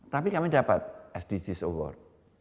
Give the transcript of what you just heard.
tapi kami dapat sdgs award